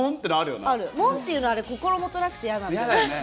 モンっていうのは心もとなくて嫌なんだよね。